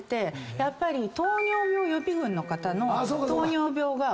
やっぱり糖尿病予備軍の方の糖尿病が。